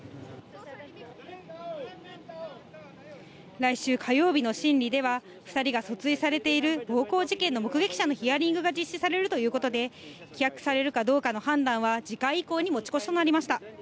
来週火曜日の審理では、２人が訴追されている暴行事件の目撃者のヒアリングが実施されるということで、棄却されるかどうかの判断は、次回以降に持ち越しとなりました。